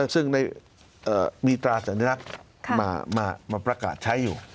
ซึ่งมีตราสัญลักษณ์มาประกาศใช้อยู่